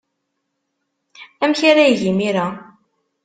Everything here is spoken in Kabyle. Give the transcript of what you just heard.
Amek ara yeg imir-a?